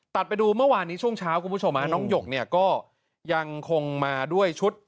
ตัดไปดูเมื่อวานนี้ช่วงเช้าน้องหยกก็ยังคงมาด้วยชุด